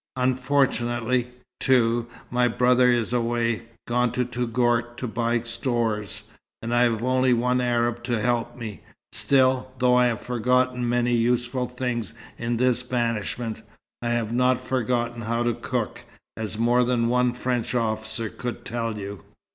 Unfortunately, too, my brother is away, gone to Touggourt to buy stores, and I have only one Arab to help me. Still, though I have forgotten many useful things in this banishment, I have not forgotten how to cook, as more than one French officer could tell you."